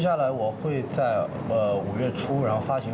ต่อไปก็จะมีผลงาน